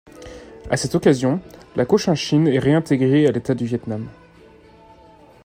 À cette occasion, la Cochinchine est réintégrée à l’État du Viêt Nam.